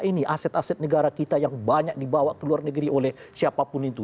kita ini bisa nggak ini aset aset negara kita yang banyak dibawa ke luar negeri oleh siapapun itu